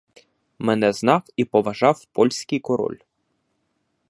Мене знав і поважав польський король!